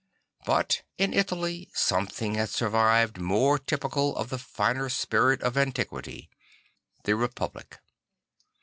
But in Italy something had survived more typical of the finer spirit of antiquity; the republic.